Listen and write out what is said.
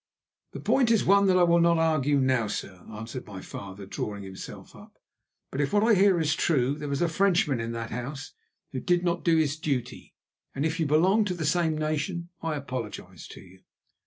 "The point is one that I will not argue now, sir," answered my father, drawing himself up. "But if what I hear is true, there was a Frenchman in that house who did not do his duty; and if you belong to the same nation, I apologise to you."